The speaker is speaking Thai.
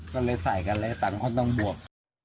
ก็เลยใส่กันเลยตังค์เขาต้องบวก